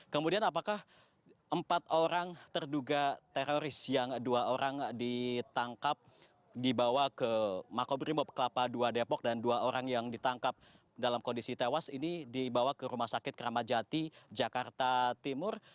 kemudian apakah empat orang terduga teroris yang dua orang ditangkap dibawa ke makobrimob kelapa dua depok dan dua orang yang ditangkap dalam kondisi tewas ini dibawa ke rumah sakit keramajati jakarta timur